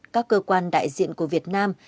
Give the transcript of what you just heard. các cơ quan đại diện của việt nam